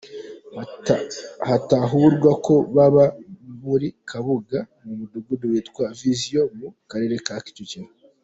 Hatahurwa ko baba muri Kabuga mu mudugudu witwa Vision’ mu Karere ka Kicukiro.